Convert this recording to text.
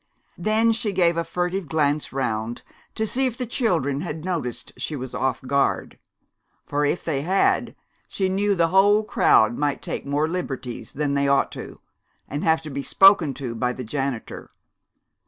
Then she gave a furtive glance around to see if the children had noticed she was off guard; for if they had she knew the whole crowd might take more liberties than they ought to, and have to be spoken to by the janitor.